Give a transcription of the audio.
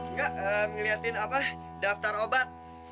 nggak ngeliatin daftar obat